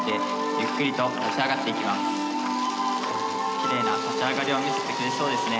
きれいな立ち上がりを見せてくれそうですね。